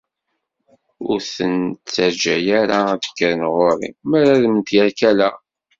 Ur ten-ttaǧǧa ara ad d-kkren ɣur-i, mi ara mderkaleɣ!